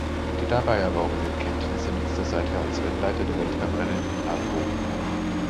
Die dabei erworbenen Kenntnisse nutzt er seither als Rennleiter der Weltcuprennen in Adelboden.